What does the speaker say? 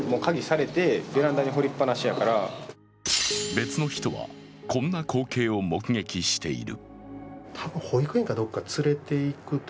別の人は、こんな光景を目撃している。